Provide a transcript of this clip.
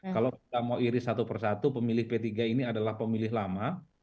kalau kita mau iris satu persatu pemilih p tiga ini adalah pemilih lama